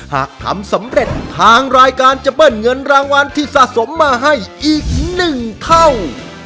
หากทำสำเร็จทางรายการจะเบิ้ลเงินรางวัลที่สะสมมาให้อีก๑เท่า